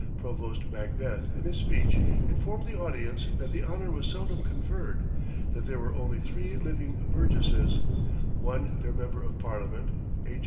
Provost Macbeth in his speech informed the audience that the honor was seldom conferred, that there were only three living burgesses one their member of Parliament, H.